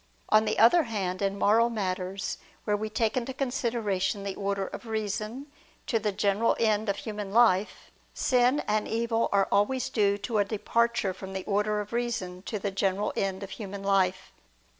On the other hand, in moral matters, where we take into consideration the order of reason to the general end of human life, sin and evil are always due to a departure from the order of reason to the general end of human life.